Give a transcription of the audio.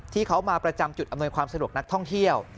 ที่เขามาประจำจุดอำนวยความสะดวกนักท่องเที่ยว